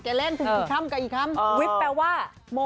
คือพ่อแบบ